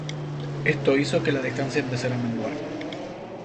Esto hizo que la distancia empezara a menguar.